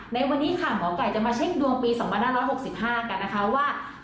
ในวันนี้ค่ะหมอไก่จะมาเช็คดวงปี๒๕๖๕กันนะคะว่า